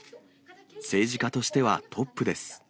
政治家としてはトップです。